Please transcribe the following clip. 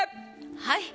はい。